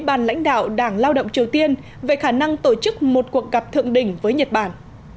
bàn lãnh đạo đảng lao động triều tiên về khả năng tổ chức một cuộc gặp thượng đỉnh với nhật bản